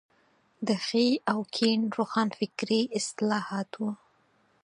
د ښي او کيڼ روښانفکري اصطلاحات وو.